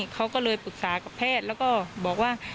เขาก็เลยปรึกษากับแพทย์แล้วก็บอกว่า